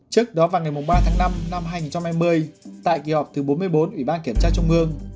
trước đó vào ngày ba tháng năm năm hai nghìn hai mươi tại kỳ họp thứ bốn mươi bốn ủy ban kiểm tra trung ương